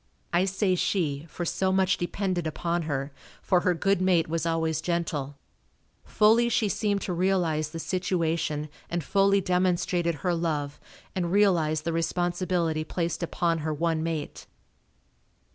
I say she, for so much depended upon her, for her good mate was always gentle. Fully she seemed to realize the situation and fully demonstrated her love, and realized the responsibility placed upon her one mate.